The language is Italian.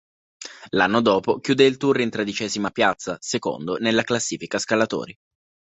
L'anno dopo chiude il Tour in tredicesima piazza, secondo nella classifica scalatori.